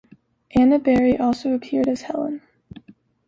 Anna Barry also appeared as Helen.